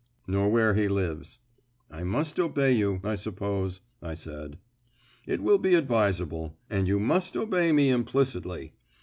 "Nor where he lives." "I must obey you, I suppose," I said. "It will be advisable, and you must obey me implicitly.